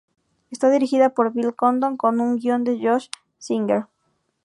Está dirigida por Bill Condon con un guion de Josh Singer.